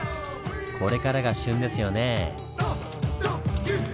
これからが旬ですよねぇ。